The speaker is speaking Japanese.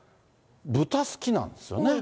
豚好きなんですよね。